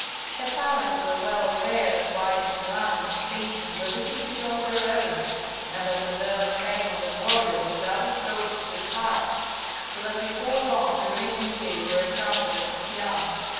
Her parents were well aware that Weigand's rank and station were little below their own, and that his early fame as a warrior without reproach stood high; so that before long Verena and he were accounted as affianced.